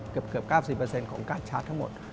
เกือบ๙๐ของการ์ชาร์จทั้งหมด